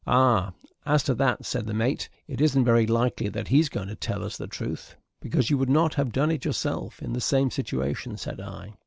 "Oh, as to that," said the mate, "it isn't very likely that he's going to tell us the truth." "Because you would not have done it yourself in the same situation," said I.